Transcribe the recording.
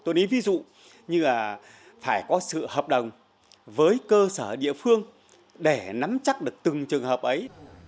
tôi nghĩ ví dụ như là phải có sự hợp đồng với cơ sở địa phương để nắm chắc được từng trường hợp ấy